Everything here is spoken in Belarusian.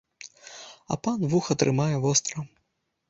А пан вуха трымае востра!